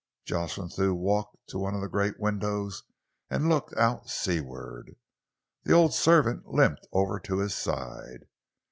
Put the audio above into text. Jocelyn Thew walked away to one of the great windows and looked out seaward. The old servant limped over to his side.